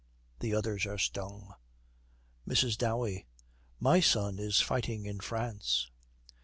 The others are stung. MRS. DOWEY. 'My son is fighting in France.'